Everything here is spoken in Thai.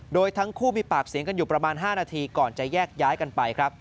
โดยทั้งคู่มีปากเสียงกันอยู่ประมาณ๕นาทีก่อนจะแยกย้ายกันไปครับ